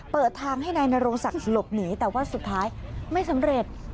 เปิดทางให้นายนโรงศักดิ์หลบหนีแต่ว่าสุดท้ายไม่สำเร็จ